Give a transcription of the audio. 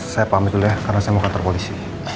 saya pahami dulu ya karena saya mau kantor polisi